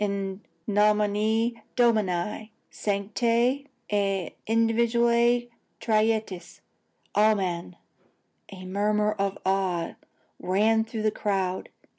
In nomine Domini, sanctae et individuae trinitatis, amen!" A murmur of awe ran through the crowd.